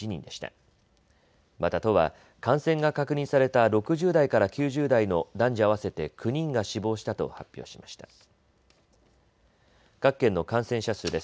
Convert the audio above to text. また都は感染が確認された６０代から９０代の男女合わせて９人が死亡したと発表しました。